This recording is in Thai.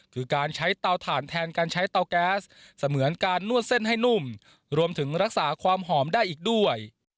คือการใช้เตาถ่านแทนการใช้เตาแก๊สเสมือนการนวดเส้นให้นุ่มรวมถึงรักษาความหอมได้อีกด้วย